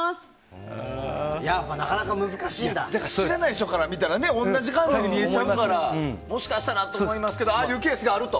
知らない人から見たら同じ感じに見えちゃいますからもしかしたらと思いますけどああいうケースがあると。